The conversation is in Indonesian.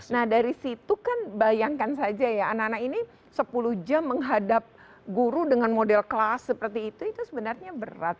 nah dari situ kan bayangkan saja ya anak anak ini sepuluh jam menghadap guru dengan model kelas seperti itu itu sebenarnya berat